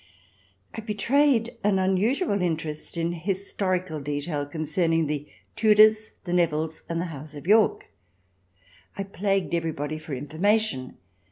I betrayed an unusual interest in historical detail concerning the Tudors, the Nevilles, and the House of York. I plagued everybody for information.